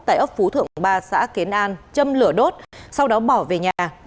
tại ấp phú thượng ba xã kiến an châm lửa đốt sau đó bỏ về nhà